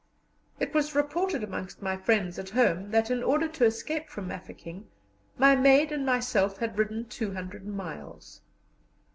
It was reported amongst my friends at home that, in order to escape from Mafeking, my maid and myself had ridden 200 miles.